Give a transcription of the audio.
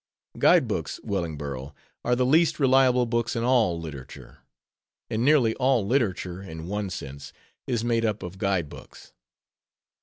Guide books, Wellingborough, are the least reliable books in all literature; and nearly all literature, in one sense, is made up of guide books.